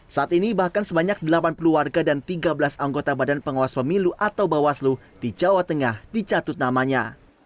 saat ini bahkan sebanyak delapan puluh warga dan tiga belas anggota badan pengawas pemilu atau bawaslu di jawa tengah dicatut namanya